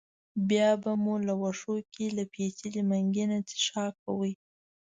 بیا به مو له وښو کې له پېچلي منګي نه څښاک کاوه.